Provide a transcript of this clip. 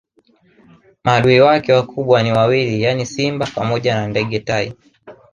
Maadui wake wakubwa ni wawili yaani simba pamoja na ndege tai